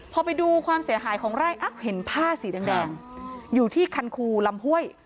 พอไปดูความเสียหายของไร่อัพเห็นผ้าสีแดงอยู่ที่คันคูลำห้วย